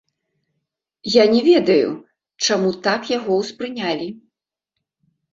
Я не ведаю, чаму так яго ўспрынялі.